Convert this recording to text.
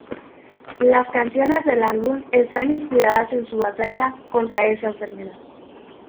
Las canciones del álbum están inspiradas en su batalla contra esa enfermedad.